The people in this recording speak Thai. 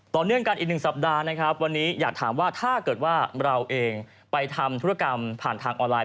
ต่อเนื่องกันอีก๑สัปดาห์นะครับวันนี้อยากถามว่าถ้าเกิดว่าเราเองไปทำธุรกรรมผ่านทางออนไลน